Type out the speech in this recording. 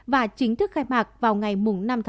và chính thức khai mạc vào ngày năm bốn